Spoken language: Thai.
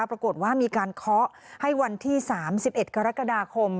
ปรากฏว่ามีการเคาะให้วันที่๓๑กรกฎาคม